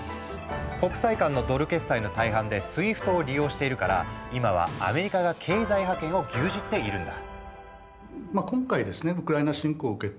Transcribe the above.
国際間のドル決済の大半で「ＳＷＩＦＴ」を利用しているから今はアメリカが経済覇権を牛耳っているんだ。